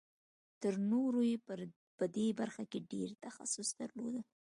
تر نورو یې په دې برخه کې ډېر تخصص درلود